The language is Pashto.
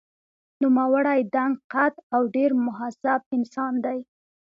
نوموړی دنګ قد او ډېر مهذب انسان دی.